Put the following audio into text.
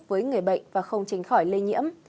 với người bệnh và không tránh khỏi lây nhiễm